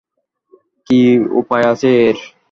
কী উপায় আছে এর?